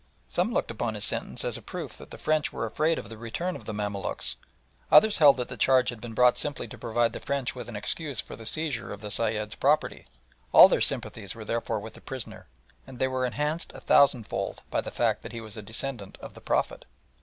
Some looked upon his sentence as a proof that the French were afraid of the return of the Mamaluks, others held that the charge had been brought simply to provide the French with an excuse for the seizure of the Sayed's property. All their sympathies were therefore with the prisoner, and they were enhanced a thousandfold by the fact that he was a descendant of the Prophet.